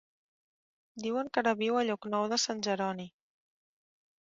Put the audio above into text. Diuen que ara viu a Llocnou de Sant Jeroni.